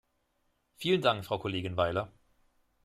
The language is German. Vielen Dank, Frau Kollegin Weiler!